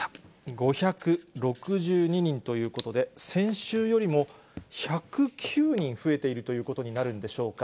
５６２人ということで、先週よりも１０９人増えているということになるんでしょうか。